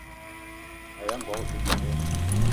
Aya ngogo o te ton ya?